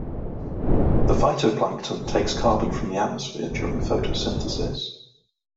The phytoplankton takes carbon from the atmosphere during photosynthesis.